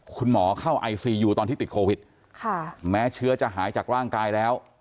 คุณหมอเข้าไอซียูตอนที่ติดโควิดค่ะแม้เชื้อจะหายจากร่างกายแล้ว